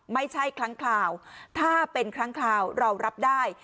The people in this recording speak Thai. ไม่ใช่ครั้งคราวถ้าเป็นครั้งคราวเรารับได้